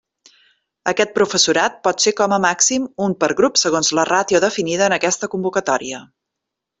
Aquest professorat pot ser com a màxim, un per grup segons la ràtio definida en aquesta convocatòria.